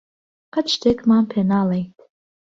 قەت شتێکمان پێ ناڵێت.